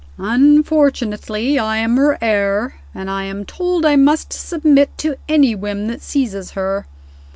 Unfortunately, I am her heir; and I am told I must submit to any whim that seizes her.